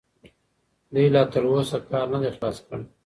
دوی لا تراوسه کار نه دی خلاص کړی.